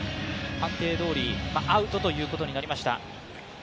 判定どおり、アウトということになりました。